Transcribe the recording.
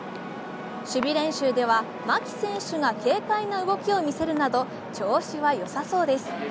守備練習では牧選手が軽快な動きを見せるなど調子はよさそうです。